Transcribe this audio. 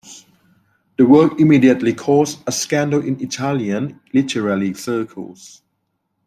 The work immediately caused a scandal in Italian literary circles.